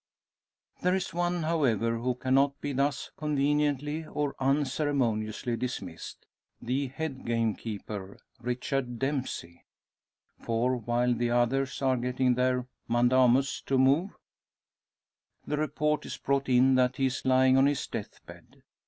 There is one, however, who cannot be thus conveniently, or unceremoniously, dismissed the head gamekeeper, Richard Dempsey. For, while the others are getting their mandamus to move, the report is brought in that he is lying on his death bed!